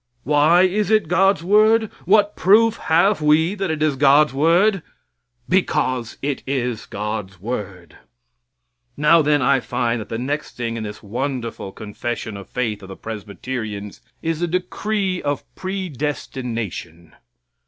Why is it God's word? What proof have we that it is God's word? Because it is God's word. Now, then, I find that the next thing in this wonderful confession of faith of the Presbyterians is the decree of predestination.